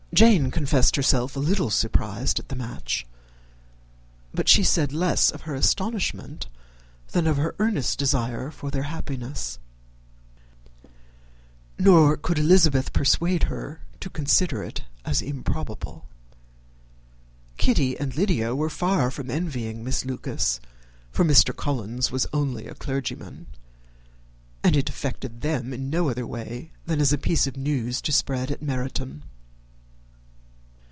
Jane confessed herself a little surprised at the match: but she said less of her astonishment than of her earnest desire for their happiness; nor could Elizabeth persuade her to consider it as improbable. Kitty and Lydia were far from envying Miss Lucas, for Mr. Collins was only a clergyman; and it affected them in no other way than as a piece of news to spread at Meryton.